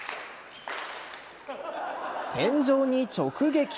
天井に直撃。